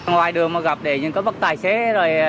ngoài đường mà gặp để những cái vật tài xế rồi